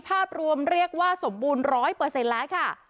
ภาพรวมเรียกว่าสมบูรณ์๑๐๐แล้วค่ะ